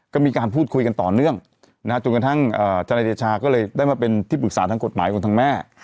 ก็มีการพูดคุยกันต่อเนื่องจนกระทั่งธนายเดชาก็เลยได้มาเป็นที่ปรึกษาทางกฎหมายของทางแม่